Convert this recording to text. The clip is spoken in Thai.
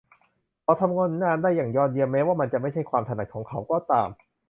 เขาทำผลงานได้อย่างยอดเยี่ยมแม้ว่ามันจะไม่ใช่ความถนัดของเขาก็ตาม